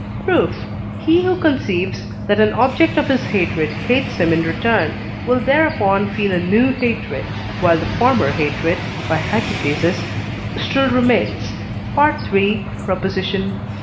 Proof. He who conceives, that an object of his hatred hates him in return, will thereupon feel a new hatred, while the former hatred (by hypothesis) still remains (III. xl.).